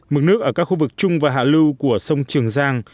mực nước ở các khu vực trung và hạ lưu của sông trường giang